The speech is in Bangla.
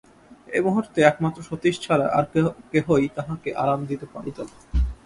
এই মুহূর্তে একমাত্র সতীশ ছাড়া আর কেহই তাহাকে আরাম দিতে পারিত না।